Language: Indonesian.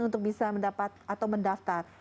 untuk bisa mendapat atau mendaftar